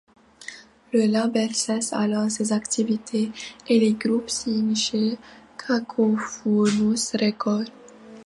Le label cesse alors ses activités et le groupe signe chez Cacophonous Records.